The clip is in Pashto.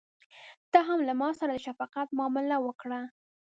ته هم له ماسره د شفقت معامله وکړه.